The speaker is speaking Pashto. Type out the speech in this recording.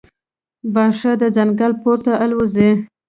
باښه د ځنګل پورته الوزي.